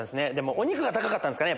お肉が高かったんすかね